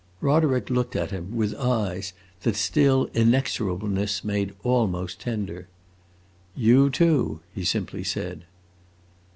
Roderick looked at him with eyes that still inexorableness made almost tender. "You too!" he simply said.